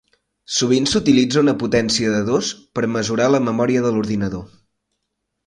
Sovint s'utilitza una potència de dos per mesurar la memòria de l'ordinador.